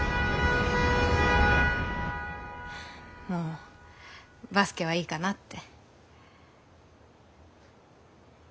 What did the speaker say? もうバスケはいいかなって。